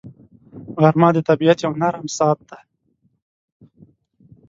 غرمه د طبیعت یو نرم ساعت دی